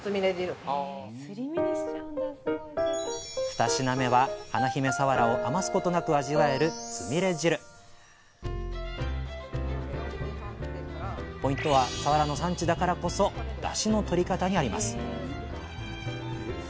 二品目は華姫さわらを余すことなく味わえるつみれ汁ポイントはさわらの産地だからこそダシの取り方にあります